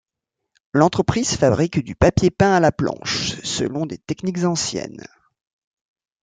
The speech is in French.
L'entreprise fabrique du papier peint à la planche, selon des techniques anciennes.